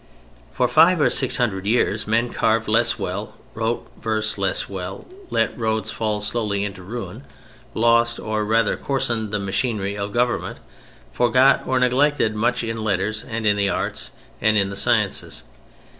For five or six hundred years men carved less well, wrote verse less well, let roads fall slowly into ruin, lost or rather coarsened the machinery of government, forgot or neglected much in letters and in the arts and in the sciences.